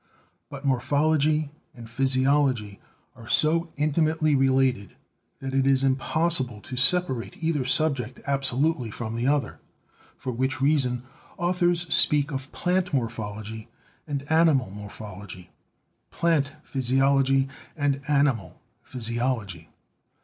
But morphology and physiology are so intimately related that it is impossible to separate either subject absolutely from the other, for which reason authors speak of plant morphology and animal mor phology, plant physiology and animal physiology.